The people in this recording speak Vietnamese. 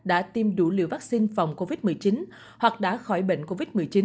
đã tiêm đủ liều vaccine phòng covid một mươi chín hoặc đã khỏi bệnh covid một mươi chín